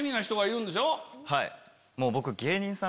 はい。